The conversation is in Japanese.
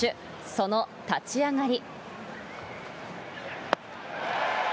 その立ち上がり。